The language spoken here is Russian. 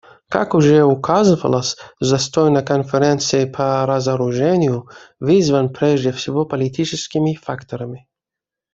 Как уже указывалось, застой на Конференции по разоружению вызван прежде всего политическими факторами.